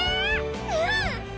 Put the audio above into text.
うん！